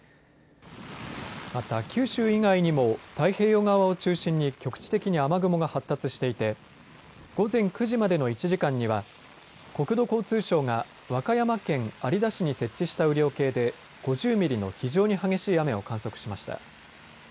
また九州以外にも太平洋側を中心に局地的に雨雲が発達していて午前９時までの１時間には国土交通省が和歌山県有田市に設置した雨量計で５０ミリの非常に激しい雨を観測しました。